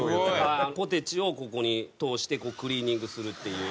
ポテチをここに通してクリーニングするっていう。